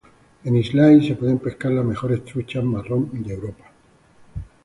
En Islay se pueden pescar las mejores truchas marrón de Europa.